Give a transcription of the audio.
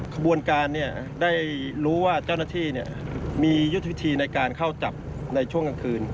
ขบวนการได้รู้ว่าเจ้าหน้าที่มียุทธวิธีในการเข้าจับในช่วงกลางคืน